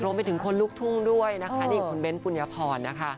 ครบไปถึงคนลูกทุ่งด้วยนะคะเดี๋ยวกับคุณเบนส์ปุญพร